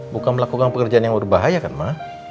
bukan melakukan pekerjaan yang berbahaya kan mah